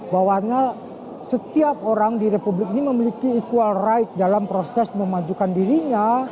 bahwanya setiap orang di republik ini memiliki equal right dalam proses memajukan dirinya